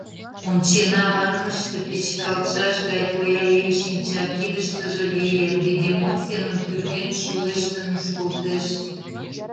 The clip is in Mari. Ончена — ванныште печкалтшаш гай коя еҥ шинча, кидыштыже веер, бегемот семын пӱрген, шӱлештын мушкылтеш.